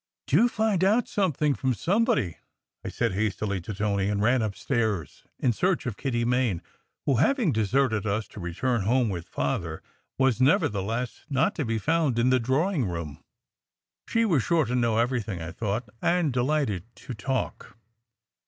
"Do find out something from somebody," I said hastily to Tony, and ran upstairs in search of Kitty Main, who, having deserted us to return home with Father, was never theless not to be found in the drawing room. She was sure 188 SECRET HISTORY 189 to know everything, I thought, and delighted to talk.